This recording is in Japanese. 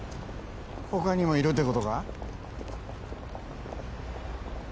他にもいるってことか？